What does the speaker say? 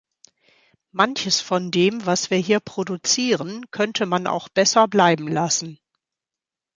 Manches von dem, was wir hier produzieren, könnte man auch besser bleiben lassen.